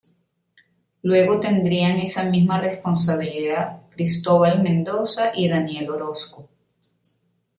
Luego tendrían esa misma responsabilidad Cristóbal Mendoza y Daniel Orozco.